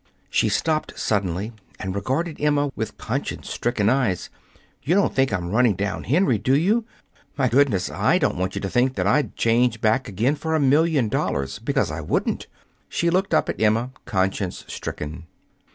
She stopped suddenly and regarded Emma with conscience stricken eyes. "You don't think I'm running down Henry, do you? My goodness, I don't want you to think that I'd change back again for a million dollars, because I wouldn't." She looked up at Emma, conscience stricken.